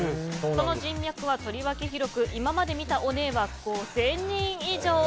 その人脈はとりわけ広く今まで見てきたオネエは５０００人以上。